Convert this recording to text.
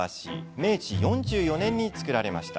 明治４４年に造られました。